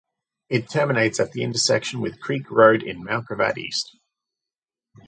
It terminates at the intersection with Creek Road in Mount Gravatt East.